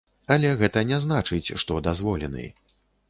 Але гэта не значыць, што дазволены.